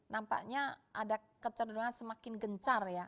nampaknya ada kecenderungan semakin gencar ya